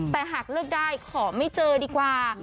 แต่หากเลิกได้ขอไม่เจอดีกว่า